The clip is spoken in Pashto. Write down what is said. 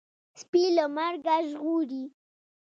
سپى له مرګه ژغوري.